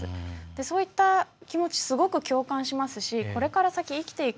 そういった気持ちすごく共感しますしこれから先、生きていく。